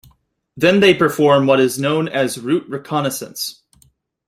Then they perform what is known as route reconnaissance.